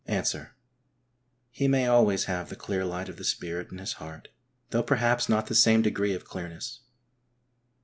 Answer : He may always have the clear light of the Spirit in his heart, though perhaps not the same degree of clearness.